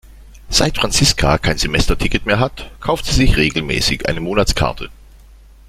Seit Franziska kein Semesterticket mehr hat, kauft sie sich regelmäßig eine Monatskarte.